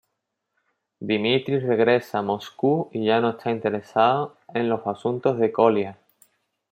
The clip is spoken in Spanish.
Dmitri regresa a Moscú y ya no está interesado en los asuntos de Kolya.